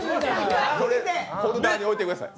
それ、ホルダーに置いてください。